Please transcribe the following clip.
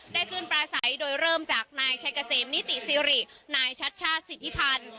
ได้ขึ้นปราศัยโดยเริ่มจากไอนายชัยเกษียมนิติศรีไอนายชัชชาศสิทธิพันธุ์